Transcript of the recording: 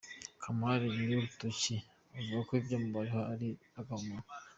Kamali nyir’urutoki avuga ko ibyamubayeho ari agahomamunwa.